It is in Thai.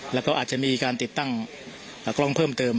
และก็อาจมีการติดเติมกลองเพิ่มเติม